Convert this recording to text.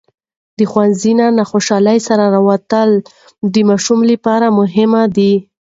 له ښوونځي نه د خوشالۍ سره راووتل د ماشوم لپاره مهم دی.